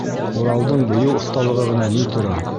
Уралдың бейеү оҫталығы ғына ни тора!